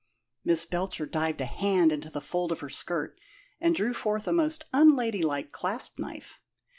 Miss Belcher dived a hand into a fold of her skirt, and drew forth a most unladylike clasp knife.